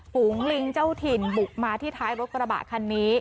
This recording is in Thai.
ฝูงลิงเจ้าถิ่นบุกมาที่ท้ายรถกระบะคันนี้